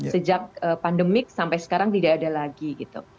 sejak pandemik sampai sekarang tidak ada lagi gitu